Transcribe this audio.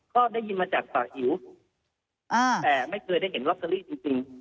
ก็ได้ยินมาจากปากหิวแต่ไม่เคยได้เห็นลอตเตอรี่จริง